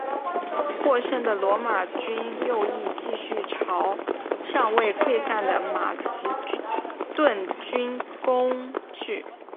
获胜的罗马军右翼继续朝尚未溃散的马其顿军攻去。